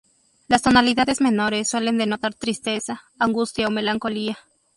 Las tonalidades menores suelen denotar tristeza, angustia o melancolía.